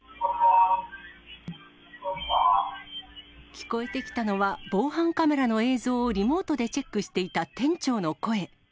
聞こえてきたのは、防犯カメラの映像をリモートでチェックしていた店長の声。